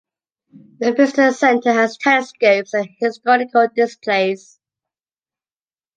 The visitor center has telescopes and historical displays.